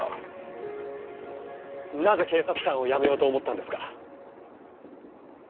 なぜ警察官を辞めようと思ったんですか？